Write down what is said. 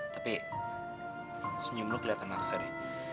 tapi senyum lu kelihatan maksad ya